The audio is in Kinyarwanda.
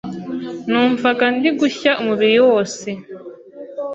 numvaga ndi gushya umubiri wose,